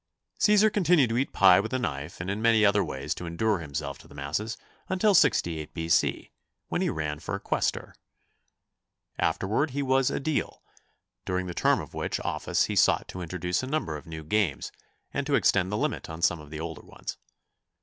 Cæsar continued to eat pie with a knife and in many other ways to endear himself to the masses until 68 B. C., when he ran for Quæstor. Afterward he was Ædile, during the term of which office he sought to introduce a number of new games and to extend the limit on some of the older ones.